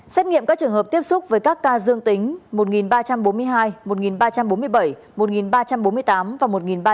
xét nghiệm các trường hợp tiếp xúc với các ca dương tính một ba trăm bốn mươi hai một ba trăm bốn mươi bảy một ba trăm bốn mươi tám và một ba trăm linh